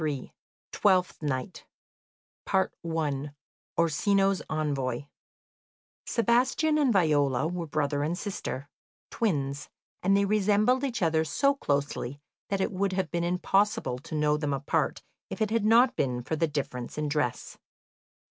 ] Twelfth Night Orsino's Envoy Sebastian and Viola were brother and sister, twins, and they resembled each other so closely that it would have been impossible to know them apart if it had not been for the difference in dress.